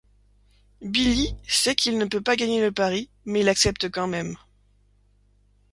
Billy sait qu'il ne peut pas gagner le pari, mais il accepte quand même.